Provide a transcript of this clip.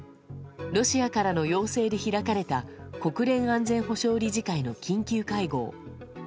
ロシアからの要請で開かれた国連安全保障理事会の緊急会合。